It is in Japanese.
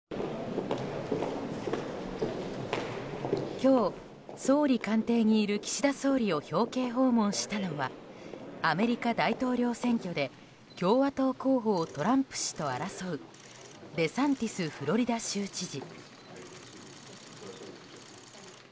今日、総理官邸にいる岸田総理を表敬訪問したのはアメリカ大統領選挙で共和党候補をトランプ氏と争うデサンティスフロリダ州知事。